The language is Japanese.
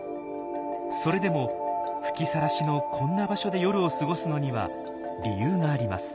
それでも吹きさらしのこんな場所で夜を過ごすのには理由があります。